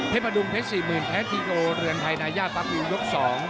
เพภาดุงเพศ๔๐๐๐๐แท้ทีโกเรือนไทยนายาปรากฏยก๒